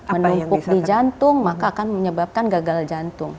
menumpuk di jantung maka akan menyebabkan gagal jantung